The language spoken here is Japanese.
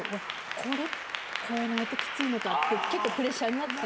これ超えないときついのかって結構プレッシャーになってた。